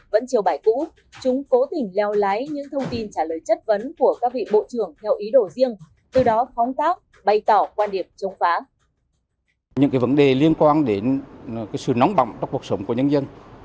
vẫn chiều bài cũ chúng cố tình leo lái những thông tin trả lời chất vấn của các vị bộ trưởng theo ý đồ riêng từ đó phóng tác bày tỏ quan điểm chống phá